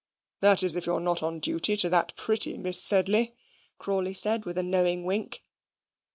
"That is, if you're not on duty to that pretty Miss Sedley," Crawley said, with a knowing wink.